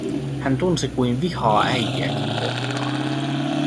Hän tunsi kuin vihaa äitiäkin kohtaan.